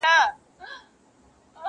بې وریځو چي را اوري له اسمانه داسي غواړم,